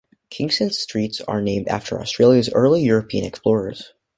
Kingston's streets are named after Australia's early European explorers.